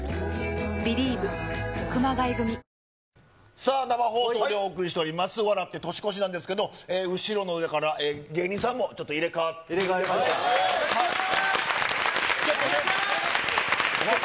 さあ、生放送でお送りしております、笑って年越しなんですけれども、後ろの上から芸人さんもちょっと入れ代わりまして。